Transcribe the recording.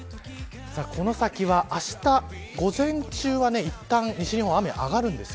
この先はあした午前中はいったん西日本雨があがるんです。